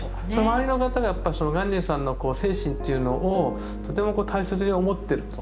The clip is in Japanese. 周りの方がやっぱ鑑真さんの精神というのをとても大切に思ってると。